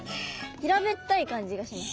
平べったい感じがします。